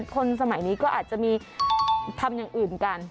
คนสมัยนี้ก็อาจจะมีทำอย่างอื่นกัน